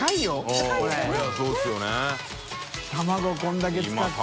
これだけ使って。